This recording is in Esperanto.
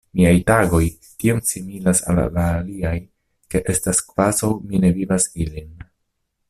Miaj tagoj tiom similas al la aliaj, ke estas kvazaŭ mi ne vivas ilin.